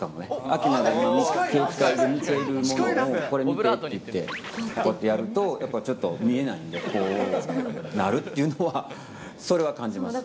明奈が見ているものを、これ見てっていって、やると、やっぱりちょっと見えないんで、こうなるっていうのは、それは感じます。